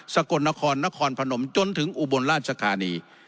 กลนครนครพนมจนถึงอุบลราชธานี